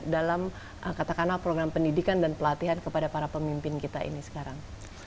dalam katakanlah program pendidikan dan pelatihan kepada para pemimpin kita ini sekarang